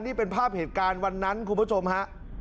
นี่เป็นภาพเหตุการณ์วันนั้นคุณผู้ชมฮะ